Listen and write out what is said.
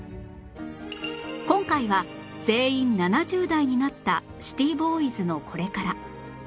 今回は全員７０代になったシティボーイズのこれから